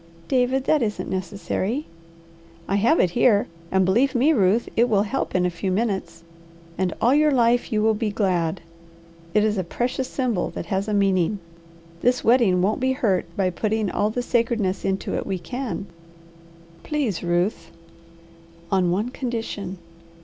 "David, that isn't necessary." "I have it here, and believe me, Ruth, it will help in a few minutes; and all your life you will be glad. It is a precious symbol that has a meaning. This wedding won't be hurt by putting all the sacredness into it we can. Please, Ruth!" "On one condition."